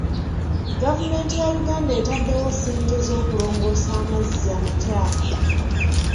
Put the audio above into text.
Gavumenti ya Uganda etaddewo ssente z'okulongoosa amazzi amakyafu.